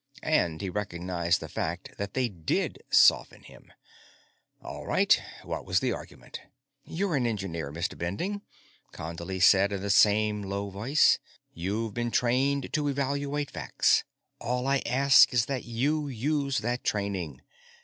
And he recognized the fact that they did soften him. All right what was the argument? "You're an engineer, Mr. Bending," Condley said, in the same low voice. "You have been trained to evaluate facts. All I ask is that you use that training.